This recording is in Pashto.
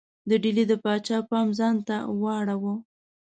د ډهلي د پاچا پام ځانته واړاوه.